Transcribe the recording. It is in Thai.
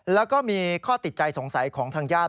แล้วก็มีข้อติดใจสงสัยของทางญาติ